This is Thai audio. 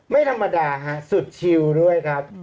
ไม่ธรรมดาฮะสุดชิลด้วยครับ